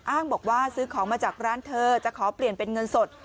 อ้างบอกว่าซื้อของมาจากร้านเธอจะขอเปลี่ยนเป็นเงินสด